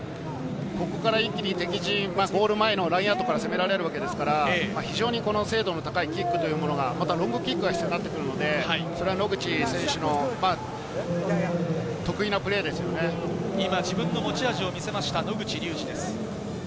ここから一気に敵陣、ゴール前のラインアウトから攻められるわけですから、非常に精度の高いキックというものがロングキックが必要になってくるので野口選手の得意なプレーです自分の持ち味を見せました、野口です。